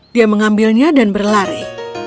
dia mengambilnya dan berlari